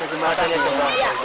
ada sungai atau bagaimana